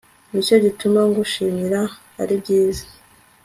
ni cyo gituma ngushimira aribyiza